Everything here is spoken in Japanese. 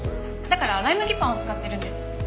だからライ麦パンを使ってるんです。